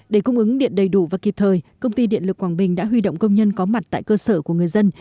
để cung ứng điện đầy đủ và kịp thời công ty điện lực quảng bình đã huy động công nhân có mặt tại cơ sở của người dân